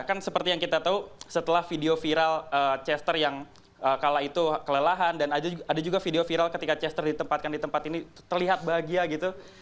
kan seperti yang kita tahu setelah video viral chester yang kala itu kelelahan dan ada juga video viral ketika chester ditempatkan di tempat ini terlihat bahagia gitu